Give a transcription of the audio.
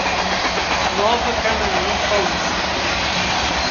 Nova Canaã Paulista